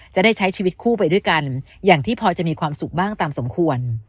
จะได้ใช้ชีวิตคู่ไปด้วยกันอย่างที่พอจะมีความสุขบ้างตามสมควร